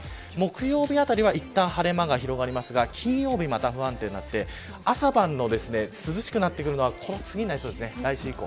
木曜日あたりはいったん晴れ間が広がりますが金曜日は、また不安定になって朝晩の涼しくなってくるのはこの次になりそうです来週以降。